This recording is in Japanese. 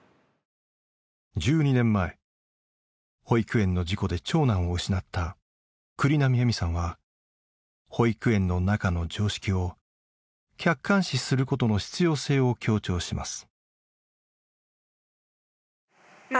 １２年前保育園の事故で長男を失った栗並えみさんは保育園の中の常識を客観視することの必要性を強調します。